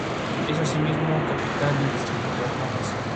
Es asimismo capital del distrito de Las Lomas.